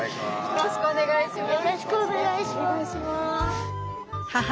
よろしくお願いします。